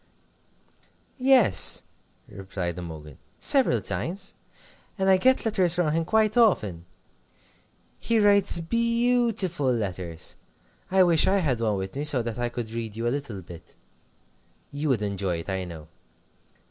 "Yes," replied Imogen, "several times. And I get letters from him quite often. He writes _beau_tiful letters. I wish I had one with me, so that I could read you a little bit. You would enjoy it, I know.